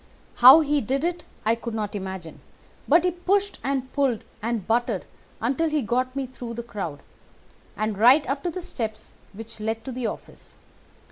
How he did it I could not imagine, but he pushed and pulled and butted until he got me through the crowd, and right up to the steps which led to the office.